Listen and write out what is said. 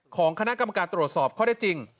ของคณะกรรมการตรวจสอบข้อได้จริง